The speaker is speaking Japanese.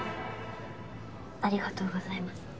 ありがとうございます。